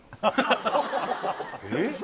えっ！？